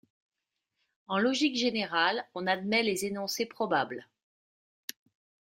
En logique générale, on admet les énoncés probables.